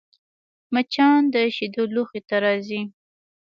مچان د شیدو لوښي ته راځي